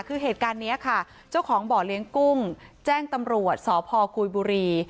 คือเหตุการณ์นี้ค่ะเจ้าของบ่อเลี้ยงกุ้งแจ้งตำรวจสพกุยบุรี